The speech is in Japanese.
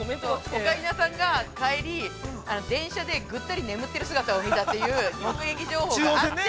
◆オカリナさんが、帰り、電車でぐったり眠っている姿を見たという目撃情報があって。